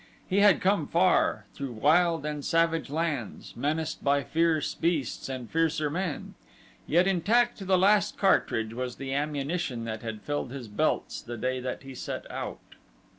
He had come far, through wild and savage lands, menaced by fierce beasts and fiercer men, yet intact to the last cartridge was the ammunition that had filled his belts the day that he set out.